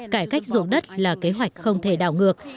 cải cách dụng đất là kế hoạch không thể đảo ngược